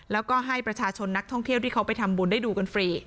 แล้วก็ให้ประชาชนนักท่องเที่ยวที่เขาไปทำบุญได้ดูกันฟรี